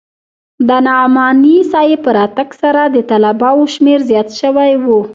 د نعماني صاحب په راتگ سره د طلباوو شمېر زيات سوى و.